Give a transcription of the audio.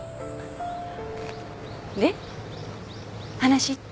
で話って？